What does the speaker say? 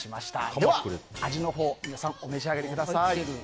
では、味のほう皆さん召し上がりください。